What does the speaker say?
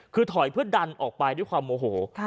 คือถอยเพื่อดันออกไปด้วยความโมโห